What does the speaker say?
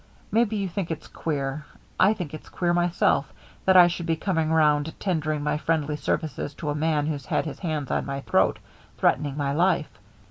Maybe you think it's queer I think it's queer myself, that I should be coming 'round tendering my friendly services to a man who's had his hands on my throat threatening my life.